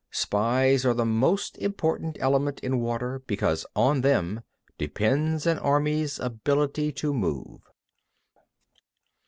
Spies are a most important element in war, because on them depends an army's ability to move.